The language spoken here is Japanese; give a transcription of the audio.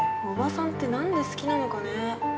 おばさんって何で好きなのかね？